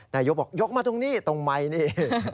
นายกบอกยกมาตรงนี้ตรงไมค์นี่